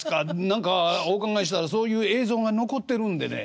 何かお伺いしたらそういう映像が残ってるんでね